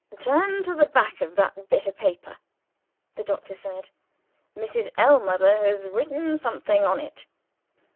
"Turn to the back of that bit of paper," the doctor said. "Mrs. Ellmother has written something on it."